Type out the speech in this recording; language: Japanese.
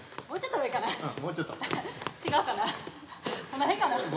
もうちょっと上かな？